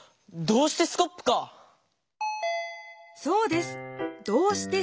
「どうしてスコップ」です。